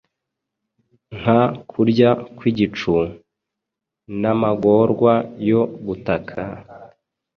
Nka kurya kw'igicu, N'amagorwa yo gutaka,